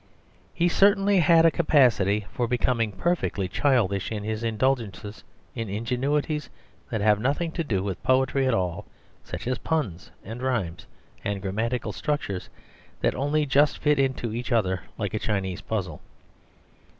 He certainly had a capacity for becoming perfectly childish in his indulgence in ingenuities that have nothing to do with poetry at all, such as puns, and rhymes, and grammatical structures that only just fit into each other like a Chinese puzzle.